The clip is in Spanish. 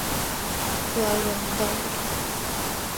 Su álbum "Darwin!